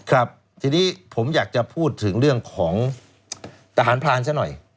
ครับทีนี้ผมอยากจะพูดถึงเรื่องของทหารพรานซะหน่อย